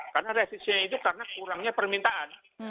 karena resesinya itu karena kurangnya permintaan